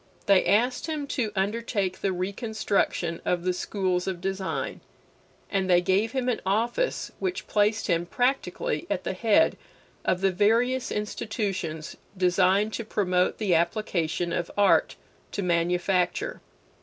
They asked him to undertake the reconstruction of the schools of design, and they gave him an office which placed him practically at the head of the various institutions designed to promote the application of art to manufacture.